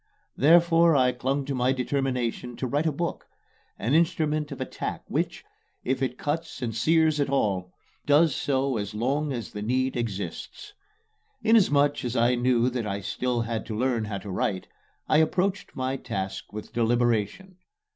Therefore, I clung to my determination to write a book an instrument of attack which, if it cuts and sears at all, does so as long as the need exists. Inasmuch as I knew that I still had to learn how to write, I approached my task with deliberation.